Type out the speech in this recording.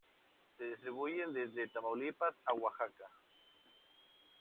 Se distribuyen desde Tamaulipas a Oaxaca.